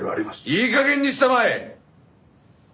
いい加減にしたまえ！